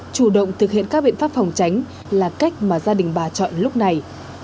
chủ động thực hiện các biện pháp phòng tránh là cách mà gia đình bà chọn lúc này